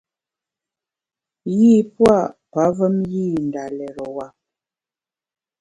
Yî pua’ pavem yî nda lérewa.